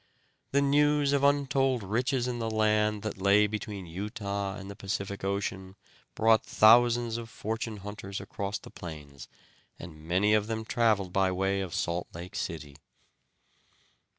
The news of untold riches in the land that lay between Utah and the Pacific Ocean brought thousands of fortune hunters across the plains, and many of them traveled by way of Salt Lake City.